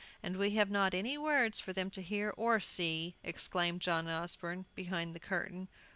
"And we have not any words for them to hear or see!" exclaimed John Osborne, behind the curtain.